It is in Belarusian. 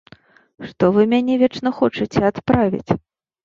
Што вы мяне вечна хочаце адправіць?